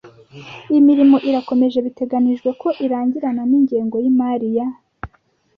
Imirimo irakomeje biteganijwe ko irangirana n ingengo y imari ya